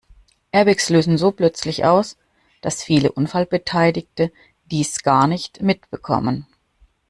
Airbags lösen so plötzlich aus, dass viele Unfallbeteiligte dies gar nicht mitbekommen.